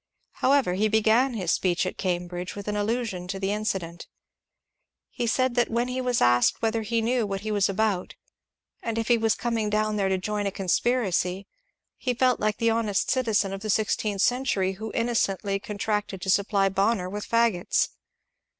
However, he began his speech at Cam bridge with an allusion to the incident. He said that when he was asked whether he knew what he was about, and if he was coming down there to join a conspiracy, he felt like the honest citizen of the sixteenth century who innocently con tracted to supply Bonner with faggots.